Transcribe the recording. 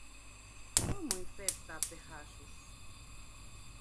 Como infecta 'Pegasus'?